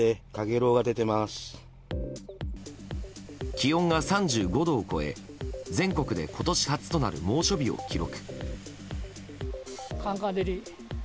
気温が３５度を超え全国で今年初となる猛暑日を記録。